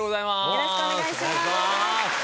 よろしくお願いします。